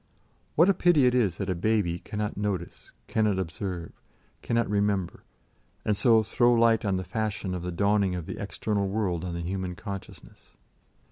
What a pity it is that a baby cannot notice, cannot observe, cannot remember, and so throw light on the fashion of the dawning of the external world on the human consciousness.